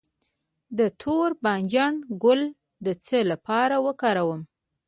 د تور بانجان ګل د څه لپاره وکاروم؟